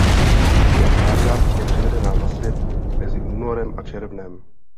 Většina mláďat je přivedena na svět mezi únorem a červnem.